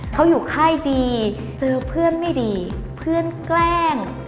เขาอยู่ค่ายดีเจอเพื่อนไม่ดีเพื่อนแกล้ง